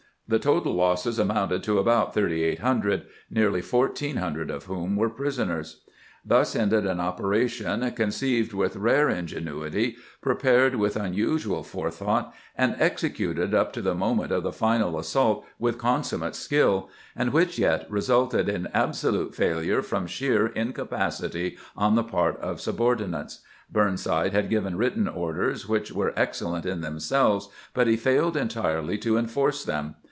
The total losses amounted to about thirty eight hundred, nearly fourteen hundred of whom were prisoners. Thus ended an operation conceived with rare inge nuity, prepared with unusual forethought, and executed FAILUEE OP THE ASSAULT AT THE MINE 269 up to the moment of the final assault with consummate skill, and which yet resulted in absolute failure from sheer incapacity on the part of subordinates. Burnside had given written orders which were excellent in them selves, but he failed entirely to enforce them.